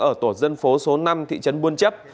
ở tổ dân phố số năm thị trấn buôn chấp